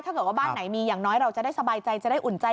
ถ้าเกิดว่าบ้านไหนมีอย่างน้อยเราจะได้สบายใจจะได้อุ่นใจ